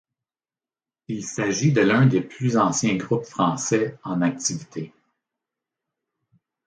Il s'agit de l'un des plus anciens groupes français en activité.